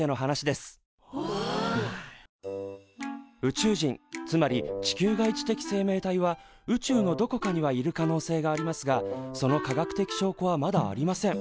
宇宙人つまり地球外知的生命体は宇宙のどこかにはいる可能性がありますがその科学的しょうこはまだありません。